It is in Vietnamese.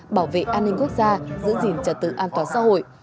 bảo vệ an ninh quốc gia giữ gìn trật tự an toàn xã hội